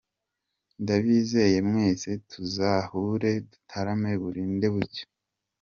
Ndabizeye mwese, tuzahure dutarame burinde bucya.